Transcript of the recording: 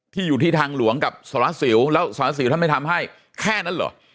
อยู่ที่ทางหลวงกับสารวัสสิวแล้วสารสิวท่านไม่ทำให้แค่นั้นเหรอ